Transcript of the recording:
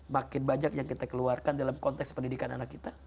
makin banyak yang kita keluarkan dalam konteks pendidikan anak kita